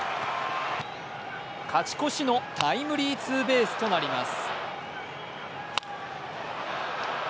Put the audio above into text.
勝ち越しのタイムリーツーベースとなります。